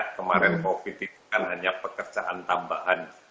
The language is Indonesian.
kemarin covid itu kan hanya pekerjaan tambahan